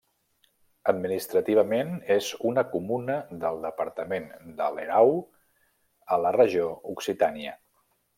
Administrativament és una comuna del departament de l'Erau a la regió Occitània.